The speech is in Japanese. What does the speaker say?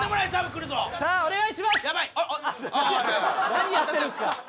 何やってるんですか！